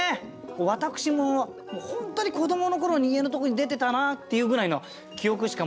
私も本当に子どもの頃に家のところに出てたなっていうぐらいの記憶しかもうないんですよね。